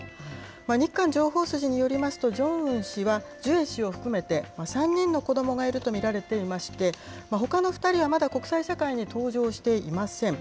日韓情報筋によりますと、ジョンウン氏は、ジュエ氏を含めて３人の子どもがいると見られていまして、ほかの２人はまだ国際社会に登場していません。